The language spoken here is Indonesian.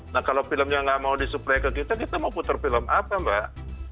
nah kalau filmnya nggak mau disuplai ke kita kita mau putar film apa mbak